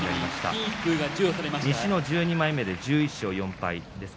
西の１２枚目で１１勝４敗です。